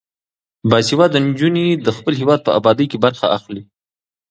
باسواده نجونې د خپل هیواد په ابادۍ کې برخه اخلي.